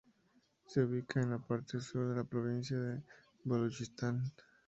Se ubica en la parte sur de la provincia de Baluchistán.